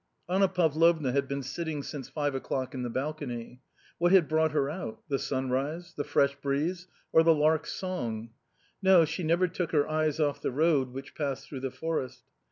Anna Pavlovna had been sitting since five o'clock in the balcony. What had brought her out : the sunrise, the fresh breeze, or the lark's song ? No, she never took her eyes off the road which passed through the forest.